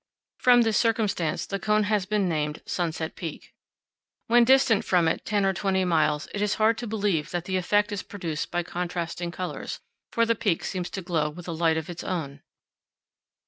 From this circumstance the cone has been named Sunset Peak. When distant from it ten or twenty miles it is hard to believe that the effect is produced by contrasting colors, for the peak seems to glow with a light of its own.